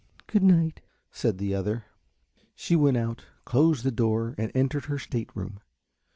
"Good night," said the other. She went out, closed the door, and entered her state room.